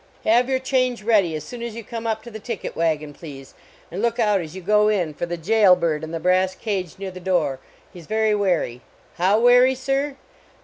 Have your change ready as soon as you come up to the ticket wagon, please, and look out as you go in for the jail bird in the brass cage near the door, he s very wary. How wary, sir?